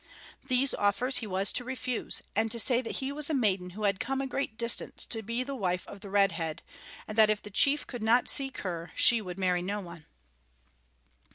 These offers he was to refuse, and to say that he was a maiden who had come a great distance to be the wife of the Red Head, and that if the chief could not seek her she would marry no one.